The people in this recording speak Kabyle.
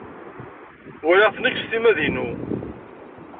Walaɣ-t nekk s timmad-inu.